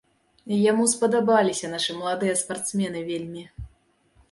Яму спадабаліся нашы маладыя спартсмены вельмі.